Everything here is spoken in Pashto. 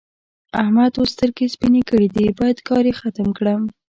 احمد اوس سترګې سپينې کړې دي؛ بايد کار يې ختم کړم.